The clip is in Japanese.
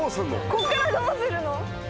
こっからどうするの？